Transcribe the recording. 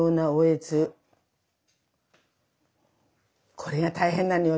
これが大変なのよ。